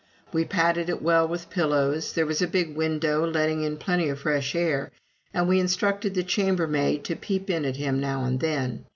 We padded it well with pillows, there was a big window letting in plenty of fresh air, and we instructed the chambermaid to peep at him now and then.